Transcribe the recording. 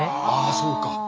ああそうか。